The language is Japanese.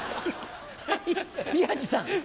宮治さん。